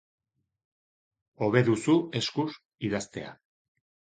Hobe duzu eskuz idaztea.